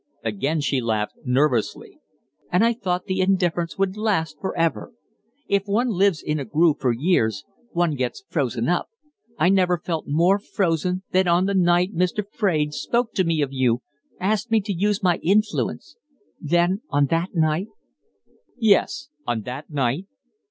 Again she laughed nervously. "And I thought the indifference would last forever. If one lives in a groove for years, one gets frozen up; I never felt more frozen than on the night Mr. Fraide spoke to me of you asked me to use my influence; then, on that night " "Yes. On that night?"